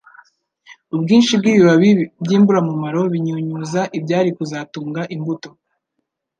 Ubwinshi bw'ibibabi by'imburamumaro binyunyuza ibyari kuzatunga imbuto,